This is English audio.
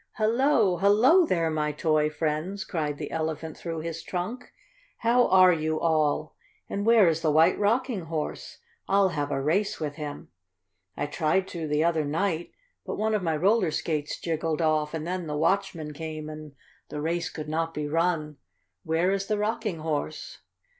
"Hello! Hello there, my toy friends!" cried the Elephant through his trunk. "How are you all? And where is the White Rocking Horse? I'll have a race with him. I tried to the other night, but one of my roller skates jiggled off and then the watchman came and the race could not be run. Where is the Rocking Horse?"